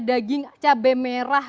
daging cabai merah